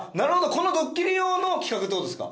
このドッキリ用の企画って事ですか？